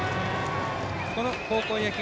この高校野球